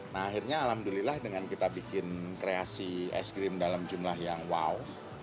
nah akhirnya alhamdulillah dengan kita bikin kreasi es krim dalam jumlah yang wow